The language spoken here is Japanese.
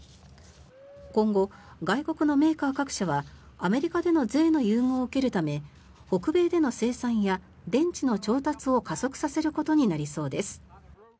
今後、外国のメーカー各社はアメリカでの税の優遇を受けるため北米での生産や電池の調達を加速させることになりそうです。